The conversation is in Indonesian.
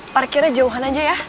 parkirnya jauhan aja ya